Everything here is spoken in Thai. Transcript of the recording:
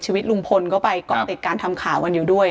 ทีวิดลุงพลก็ไปกรอบติดการทำข่าว